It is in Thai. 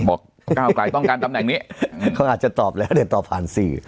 บอกกล้ากล้ายต้องการตำแหน่งนี้เค้าอาจจะตอบแล้วได้ตอบผ่าน๔